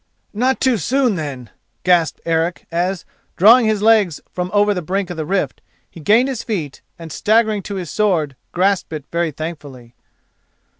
"Not too soon, then," gasped Eric as, drawing his legs from over the brink of the rift, he gained his feet and, staggering to his sword, grasped it very thankfully.